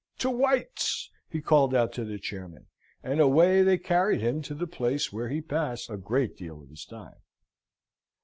"To White's!" he called out to the chairmen, and away they carried him to the place where he passed a great deal of his time.